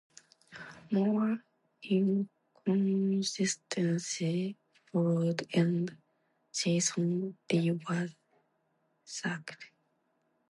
More inconsistency followed, and Jason Lee was sacked.